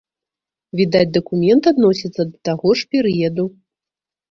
Відаць, дакумент адносіцца да таго ж перыяду.